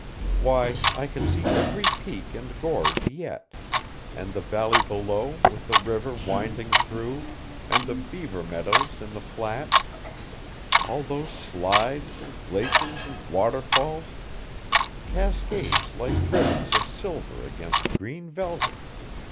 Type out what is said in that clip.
Why, I can see every peak and gorge yet, and the valley below with the river winding through and the beaver meadows in the flats all those slides and glaciers and waterfalls cascades like ribbons of silver against green velvet.